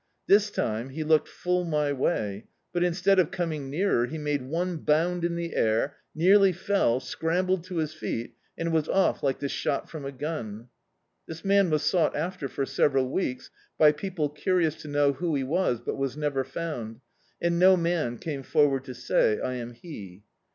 This time he looked full my way, but instead of coauag nearer, he made one bound in the air, nearly fell, scrambled to his feet, and was off like the shot from a gun. This man was sought after for several weeks, by people curious to know who he was, but was never found, and no man came forward to say — "I am he."